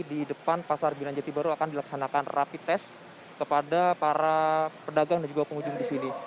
di depan pasar binan jati baru akan dilaksanakan rapi tes kepada para pedagang dan juga pengunjung di sini